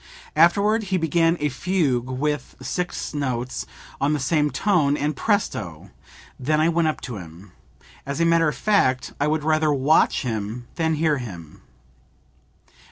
Afterward he began a fugue with six notes on the same tone, and Presto! Then I went up to him. As a matter of fact I would rather watch him than hear him."